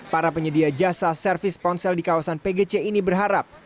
para penyedia jasa servis ponsel di kawasan pgc ini berharap